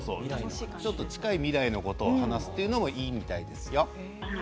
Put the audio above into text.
ちょっと近い未来のことを話すというのもいいみたいですよ。